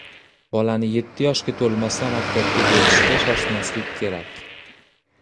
"Bolani yetti yoshga to‘lmasdan maktabga berishga shoshmaslik kerak"